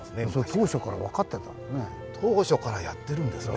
当初からやってるんですね。